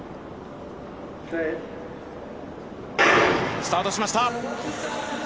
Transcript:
スタートしました。